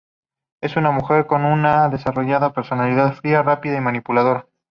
Es una mujer con una desarrollada personalidad; fría, rápida y manipuladora.